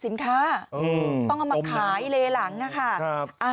สินค้าต้องเอามาขายเลหลังค่ะ